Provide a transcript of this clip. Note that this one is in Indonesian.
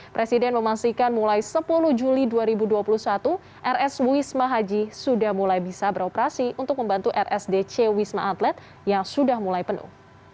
presiden memastikan mulai sepuluh juli dua ribu dua puluh satu rs wisma haji sudah mulai bisa beroperasi untuk membantu rsdc wisma atlet yang sudah mulai penuh